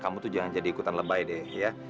kamu tuh jangan jadi ikutan lebay deh ya